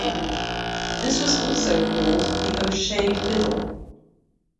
This was also called the "O'Shea Fiddle".